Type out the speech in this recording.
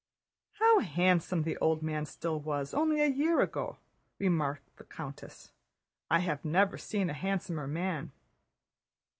"How handsome the old man still was only a year ago!" remarked the countess. "I have never seen a handsomer man."